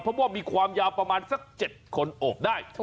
เพราะว่ามีความยาวประมาณสัก๗คนโอบได้